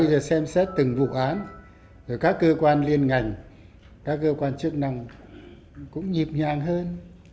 ý kiến khác là các cơ quan liên ngành các cơ quan chức năng cũng nhịp nhàng hơn